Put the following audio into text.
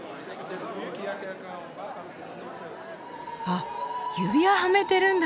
あっ指輪はめてるんだ。